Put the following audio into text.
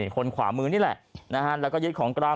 คนขวามือนี่แหละ